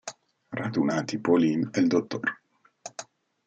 Radunati Pauline e il dott.